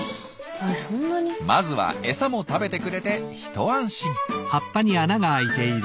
まずは餌も食べてくれて一安心。